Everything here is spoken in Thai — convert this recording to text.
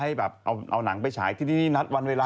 ให้แบบเอาหนังไปฉายที่นี่นัดวันเวลา